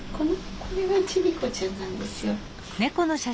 これがチビコちゃんなんですよ。